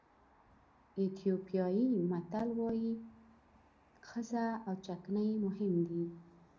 ایتیوپیایي متل وایي ښځه او چکنۍ مهم دي.